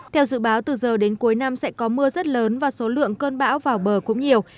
theo dự báo từ giờ đến cuối năm sẽ có mưa rất lớn và số lượng cơn bão vào bờ cũng nhiều